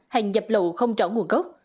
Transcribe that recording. hàng dập lậu không trỏng nguồn gốc